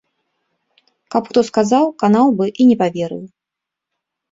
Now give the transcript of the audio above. Каб хто сказаў, канаў бы, а не паверыў.